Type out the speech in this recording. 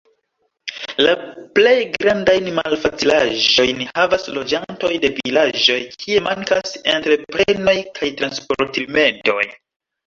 La plej grandajn malfacilaĵojn havas loĝantoj de vilaĝoj kie mankas entreprenoj kaj transportrimedoj.